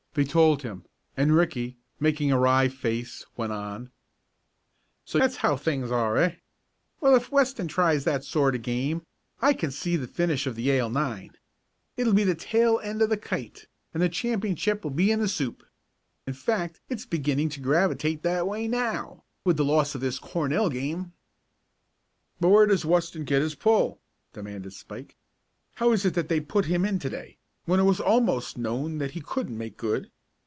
They told him, and Ricky, making a wry face, went on: "So that's how things are; eh? Well, if Weston tries that sort of game, I can see the finish of the Yale nine. It'll be the tail end of the kite, and the championship will be in the soup. In fact it's beginning to gravitate that way now, with the loss of this Cornell game." "But where does Weston get his pull?" demanded Spike. "How is it that they put him in to day, when it was almost known that he couldn't make good.